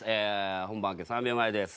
本番明け３秒前です。